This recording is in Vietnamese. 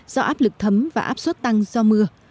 do áp lực thấm và áp suất tăng do mưa